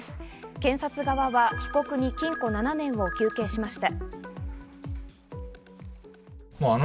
検察側は被告に禁錮７年を求刑しました。